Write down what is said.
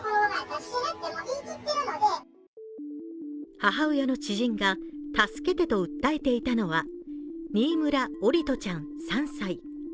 母親の知人が助けてと訴えていたのは新村桜利斗ちゃん３歳。